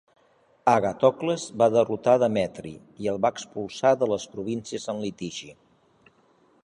Agàtocles va derrotar a Demetri i el va expulsar de les províncies en litigi.